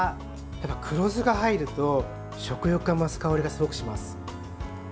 黒酢が入ると食欲が増す香りがすごくします。